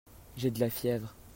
J'ai de la fièvre.